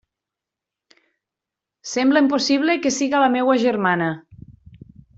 Sembla impossible que siga la meua germana!